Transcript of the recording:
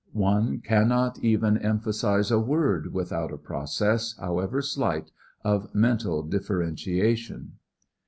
One can not even emphasize a word without a process, however slight, of mental differentiation.